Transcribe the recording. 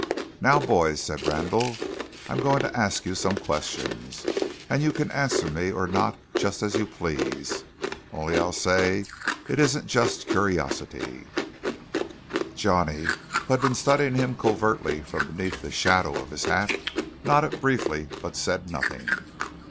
"Now, boys," said Randall, "I'm going to ask you some questions; and you can answer me or not, just as you please. Only I'll say, it isn't just curiosity." Johnny, who was studying him covertly from beneath the shadow of his hat, nodded briefly, but said nothing.